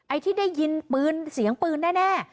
ไอ้ที่ได้ยินปืนเสียงปืนได้แน่